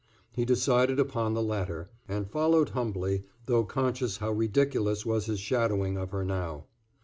He decided upon the latter, and followed humbly, though conscious how ridiculous was his shadowing of her now.